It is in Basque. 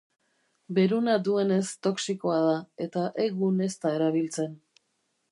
Beruna duenez toxikoa da, eta egun ez da erabiltzen.